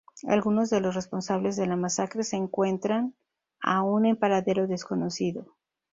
Algunos de los responsables de la masacre se encuentran aún en paradero desconocido.